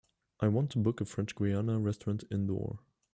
I want to book a French Guiana restaurant indoor.